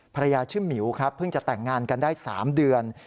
ชื่อหมิวครับเพิ่งจะแต่งงานกันได้๓เดือน